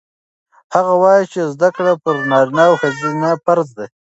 هغه وایي چې زده کړه پر نارینه او ښځینه فرض ده.